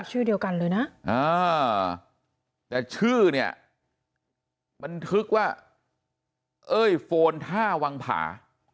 ชื่อเดียวกันเลยนะแต่ชื่อเนี่ยบันทึกว่าเอ้ยโฟนท่าวังผา